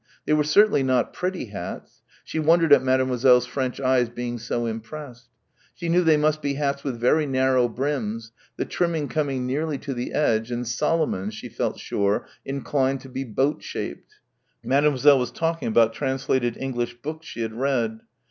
They were certainly not pretty hats she wondered at Mademoiselle's French eyes being so impressed. She knew they must be hats with very narrow brims, the trimming coming nearly to the edge and Solomon's she felt sure inclined to be boat shaped. Mademoiselle was talking about translated English books she had read.